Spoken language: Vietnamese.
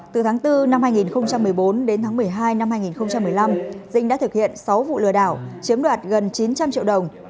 từ tháng bốn năm hai nghìn một mươi bốn đến tháng một mươi hai năm hai nghìn một mươi năm dinh đã thực hiện sáu vụ lừa đảo chiếm đoạt gần chín trăm linh triệu đồng